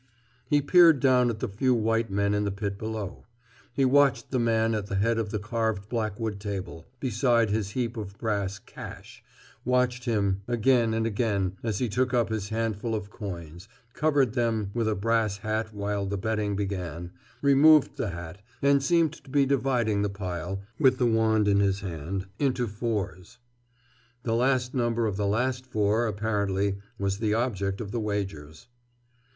He peered down at the few white men in the pit below. He watched the man at the head of the carved blackwood table, beside his heap of brass "cash," watched him again and again as he took up his handful of coins, covered them with a brass hat while the betting began, removed the hat, and seemed to be dividing the pile, with the wand in his hand, into fours. The last number of the last four, apparently, was the object of the wagers.